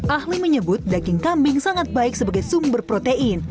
ahli menyebut daging kambing sangat baik sebagai sumber protein